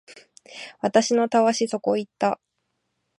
私のたわしそこ行った